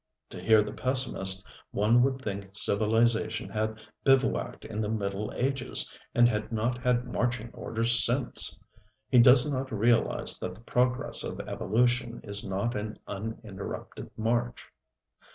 To hear the pessimist, one would think civilization had bivouacked in the Middle Ages, and had not had marching orders since. He does not realize that the progress of evolution is not an uninterrupted march.